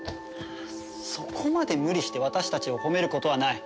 そこまで無理して私たちを褒めることはない。